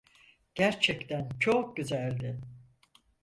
Gerçekten çok güzeldi.